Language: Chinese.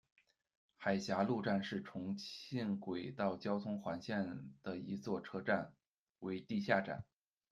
海峡路站是重庆轨道交通环线的一座车站，为地下站。